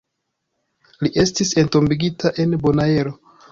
Li estis entombigita en Bonaero.